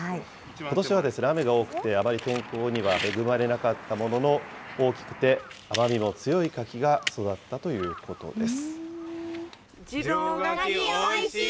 ことしは雨が多くて、あまり天候には恵まれなかったものの、大きくて甘みの強い柿が育ったということです。